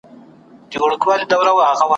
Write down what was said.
هم یې کور هم انسانانو ته تلوار وو `